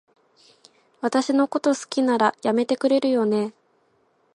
私のこと好きなら、やめてくれるよね？